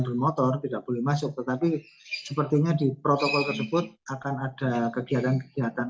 bermotor tidak boleh masuk tetapi sepertinya di protokol tersebut akan ada kegiatan kegiatan